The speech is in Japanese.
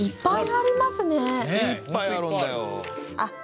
あっ